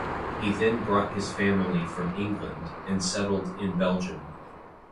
He then brought his family from England and settled in Belgium.